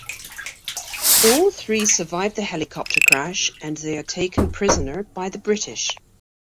All three survive the helicopter crash, and they are taken prisoner by the British.